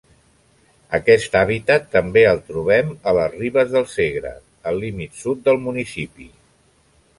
Aquest hàbitat també el trobem a les ribes del Segre, al límit sud del municipi.